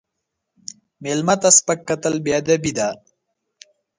مېلمه ته سپک کتل بې ادبي ده.